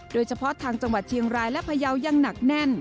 โดยเฉพาะทางจังหวัดเชียงรายและพยาวยังหนักแน่น